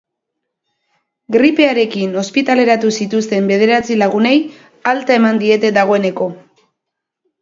Gripearekin ospitaleratu zituzten bederatzi lagunei alta eman diete dagoeneko.